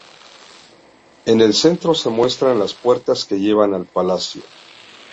En el centro se muestran las puertas que llevan al palacio.